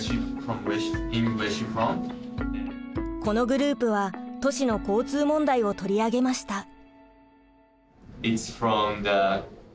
このグループは都市の交通問題を取り上げました。